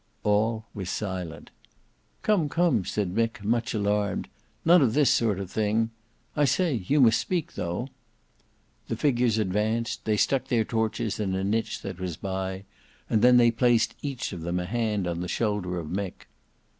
All was silent. "Come, come," said Mick much alarmed; "none of this sort of thing. I say, you must speak though." The figures advanced: they stuck their torches in a niche that was by; and then they placed each of them a hand on the shoulder of Mick.